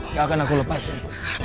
gak akan aku lepasin